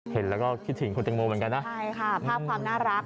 เห็นแล้วก็คิดถึงคุณแตงโมเหมือนกันนะใช่ค่ะภาพความน่ารัก